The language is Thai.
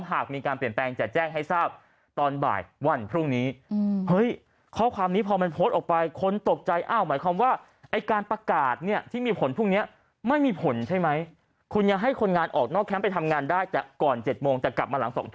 หากมีการเปลี่ยนแปลงจะแจ้งให้ทราบ